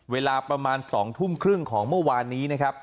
เวลาประมาณ๒ทุ่มครึ่งของเมื่อวานนี้นะครับ